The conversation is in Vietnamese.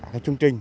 các chương trình